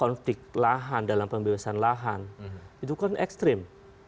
konflik lahan dalam pembebasan lahan itu kan ekstrim